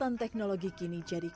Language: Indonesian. hajatan orang betawi